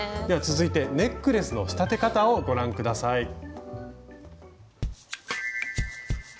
では続いてネックレスの仕立て方をご覧下さい。